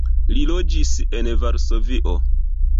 Li loĝis en Varsovio.